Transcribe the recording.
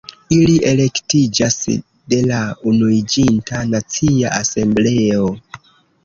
Ili elektiĝas de la Unuiĝinta Nacia Asembleo.